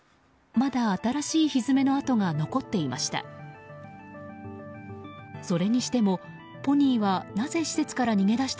まだ新しいひづめの跡が残っていました。